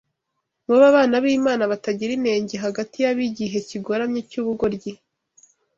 mube abana b’Imana batagira inenge hagati y’ab’igihe kigoramye cy’ubugoryi